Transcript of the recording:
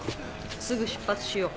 すぐ出発しよう。